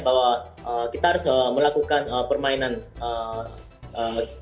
bahwa kita harus melakukan permainan yang baik